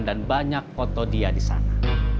dan banyak foto dia di sana